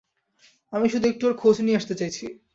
আমি শুধু একটু ওর খোঁজ নিয়ে আসতে চাইছি।